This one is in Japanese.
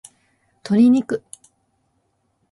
鶏肉